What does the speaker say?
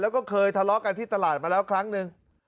แล้วก็เคยทะเลาะกันที่ตลาดมาแล้วครั้งหนึ่ง